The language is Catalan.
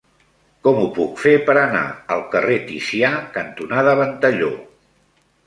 Com ho puc fer per anar al carrer Ticià cantonada Ventalló?